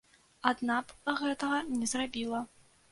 Адна б гэтага не зрабіла.